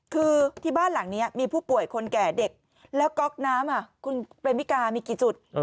คือที่บ้านหลังนี้มีผู้ป่วยคนแก่เด็กแล้วก๊อกน้ำคุณเปรมมิกามีกี่จุด